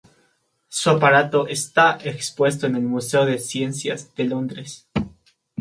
Su aparato está expuesto en el Museo de Ciencias de Londres.